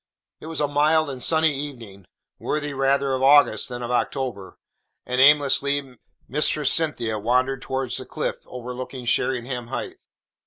It was a mild and sunny evening, worthy rather of August than of October, and aimlessly Mistress Cynthia wandered towards the cliffs overlooking Sheringham Hithe.